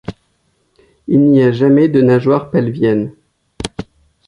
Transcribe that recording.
Il n'y a jamais de nageoires pelviennes.